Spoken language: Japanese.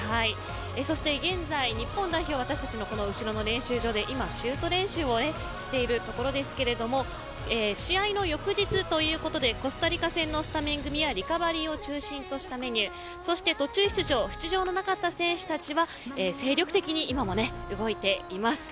そして、現在日本代表は私たちの後ろの今、練習場でシュート練習をしているところですけれども試合の翌日ということでコスタリカ戦のスタメン組はリカバリーを中心としたメニューそして、途中出場出場のなかった選手たちは精力的に今も動いています。